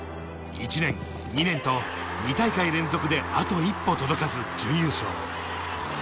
１年、２年と２大会連続であと一歩届かず準優勝。